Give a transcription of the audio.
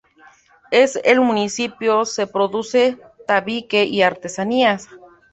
En el municipio se produce tabique y artesanías.